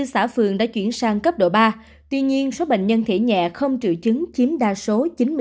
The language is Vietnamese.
bảy mươi bốn xã phường đã chuyển sang cấp độ ba tuy nhiên số bệnh nhân thể nhẹ không trự chứng chiếm đa số chín mươi sáu